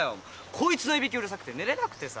こいつのイビキうるさくて寝れなくてさ。